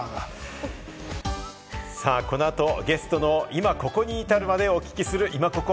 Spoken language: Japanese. この後、ゲストの今ここに至るまでをお聞きする、イマココ。